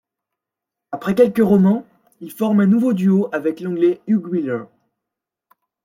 Après quelques romans, il forme un nouveau duo avec l'anglais Hugh Wheeler.